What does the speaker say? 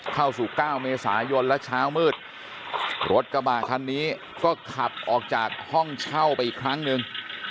เข้าสู่๙เมษายนและเช้ามืดรถกระบะคันนี้ก็ขับออกจากห้องเช่าไปอีกครั้งหนึ่ง